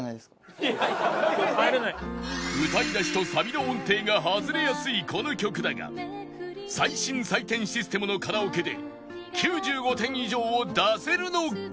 歌いだしとサビの音程が外れやすいこの曲だが最新採点システムのカラオケで９５点以上を出せるのか？